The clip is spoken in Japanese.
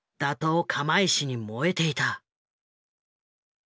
釜石に燃えていた。